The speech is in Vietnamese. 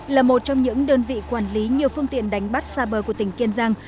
là một trong những đơn vị quản lý nhiều phương tiện đánh bắt xa bờ của tỉnh kiên giang